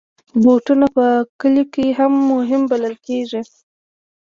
بوټونه په کلیو کې هم مهم بلل کېږي.